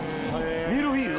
ミルフィーユ？